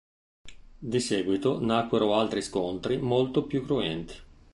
Di seguito nacquero altri scontri molto più cruenti.